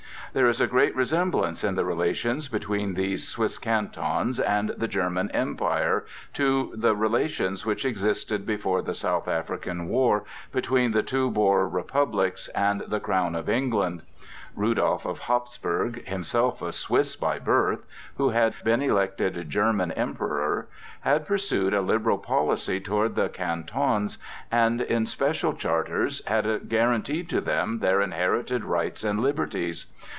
There is a great resemblance in the relations between these Swiss Cantons and the German Empire to the relations which existed, before the South African war, between the two Boer Republics and the crown of England. Rudolph of Hapsburg, himself a Swiss by birth, who had been elected German Emperor, had pursued a liberal policy toward the Cantons and in special charters had guaranteed to them their inherited rights and liberties.